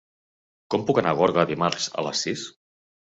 Com puc anar a Gorga dimarts a les sis?